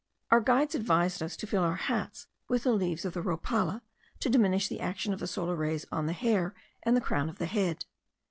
Our guides advised us to fill our hats with the leaves of the rhopala, to diminish the action of the solar rays on the hair and the crown of the head.